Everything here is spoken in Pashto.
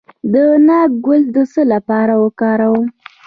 د ناک ګل د څه لپاره وکاروم؟